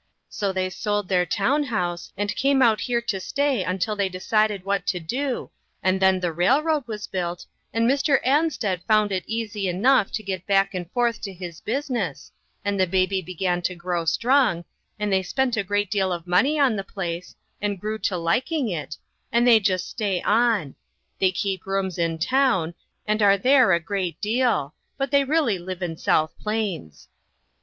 So, they sold their town house, and came out here to stay until they de cided what to do, and then the railroad was 130 INTERRUPTED. built, and Mr. Ansted found it easy enough to get back and forth to his business, and the baby began to grow strong, and they spent a great deal of money on the place, and grew to liking it, and they just stay on. They keep rooms in town, and are there a great deal, but they really live in South Plains."